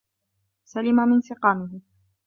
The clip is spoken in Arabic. سَلِمَ مِنْ سَقَامِهِ